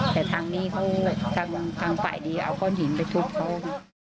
แต่ทางนี้เขาทางฝ่ายเดียวเอาก้อนหินไปทุบเขา